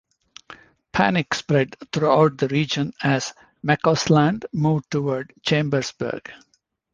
Panic spread throughout the region as McCausland moved toward Chambersburg.